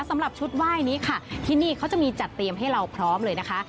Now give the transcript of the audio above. สำหรับชุดไหว้นี้ค่ะที่นี่เขาจะมีจัดเตรียมให้เราพร้อมเลยนะคะ